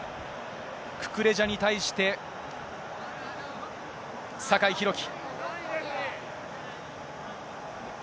ククレジャに対して、酒井宏樹。